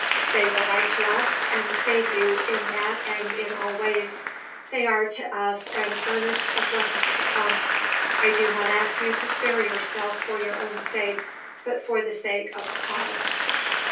They will write to us, and save you in that and in all ways. They are to us an earnest of blessings to come. I do not ask you to spare yourself for your own sake, but for the sake of the cause.